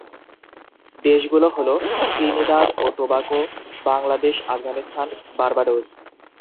দেশগুলো হল ত্রিনিদাদ ও টোবাগো, বাংলাদেশ, আফগানিস্তান, বার্বাডোস।